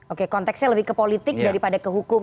oke konteksnya lebih ke politik daripada ke hukum